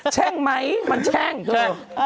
แช่งไหมมันแช่งเธอ